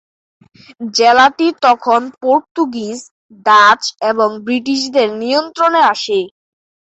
জেলাটি তখন Portuguese, Dutch এবং ব্রিটিশদের নিয়ন্ত্রণে আসে।